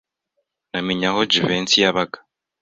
Namenye aho Jivency yabaga.